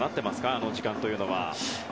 あの時間というのは。